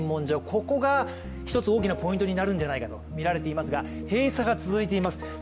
ここが一つ大きなポイントとなるんじゃないかとみられていますが閉鎖が続いています。